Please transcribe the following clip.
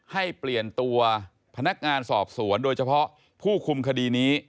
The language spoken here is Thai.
ให้เปลี่ยนตัวพนักงานสอบสวนโดยเฉพาะผู้คุมคดีนี้